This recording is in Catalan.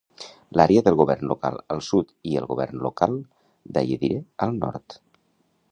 L'àrea del govern local al sud i el govern local d'Ayedire al nord.